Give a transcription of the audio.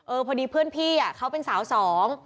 พอดีเพื่อนพี่อ่ะเขาเป็นสาวสอง